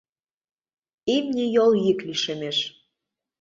Имне йол йӱк лишемеш.